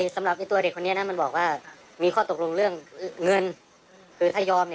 สำหรับตัวเด็กคนนี้มันบอกว่ามีข้อตกลงเรื่องเงิน